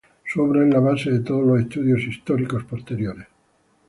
Su obra es la base de todos los estudios históricos posteriores.